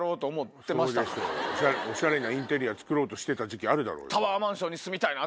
おしゃれなインテリア作ろうとしてた時期あるだろう。